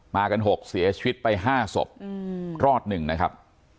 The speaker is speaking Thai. มากันหกเสียชีวิตไปห้าศพรอดหนึ่งนะครับ